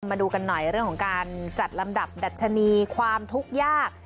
มาดูกันหน่อยเรื่องของการจัดลำดับดัชนีความทุกข์ยาก